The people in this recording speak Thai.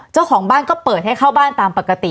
เจ้าของบ้านก็เปิดให้เข้าบ้านตามปกติ